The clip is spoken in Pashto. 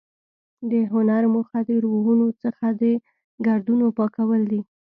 د هنر موخه د روحونو څخه د ګردونو پاکول دي.